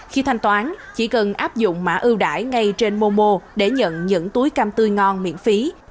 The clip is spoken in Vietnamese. khi thanh toán chỉ cần áp dụng mã ưu đải ngay trên momo để nhận những túi cam tươi ngon miễn phí